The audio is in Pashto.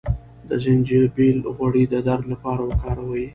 د زنجبیل غوړي د درد لپاره وکاروئ